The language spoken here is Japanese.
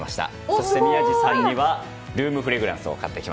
そして宮司さんにはルームフレグランスを。